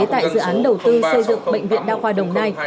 tại dự án đầu tư xây dựng bệnh viện đa khoa đồng nai